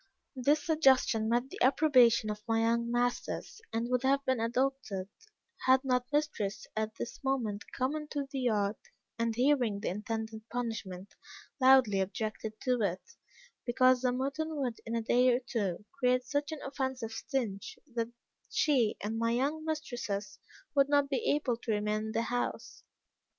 This suggestion met the approbation of my young masters, and would have been adopted, had not mistress at this moment come into the yard, and hearing the intended punishment, loudly objected to it, because the mutton would, in a day or two, create such an offensive stench, that she and my young mistresses would not be able to remain in the house.